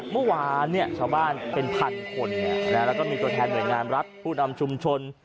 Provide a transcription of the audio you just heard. เมื่อวานชาวบ้านเป็นพันคนแล้วก็มีตัวแทนหน่วยงานรัฐผู้นำชุมชน